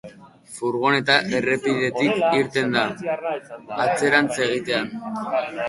Furgoneta errepidetik irten da atzerantz egitean.